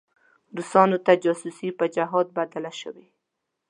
روسانو ته جاسوسي په جهاد بدله شوې.